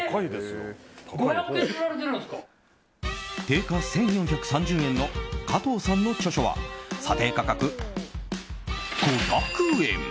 定価１４３０円の加藤さんの著書は査定価格、５００円。